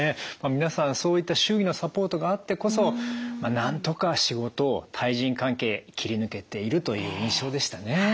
皆さんそういった周囲のサポートがあってこそなんとか仕事対人関係切り抜けているという印象でしたね。